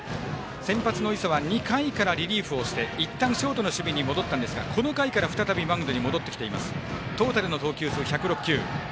先発の磯は２回からリリーフをしていったんショートの守備に戻ったんですがこの回から再びマウンドに戻っています。